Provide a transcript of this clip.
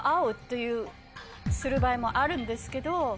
とする場合もあるんですけど。